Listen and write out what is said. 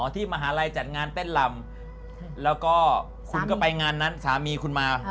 มหาลัยจัดงานเต้นลำแล้วก็คุณก็ไปงานนั้นสามีคุณมา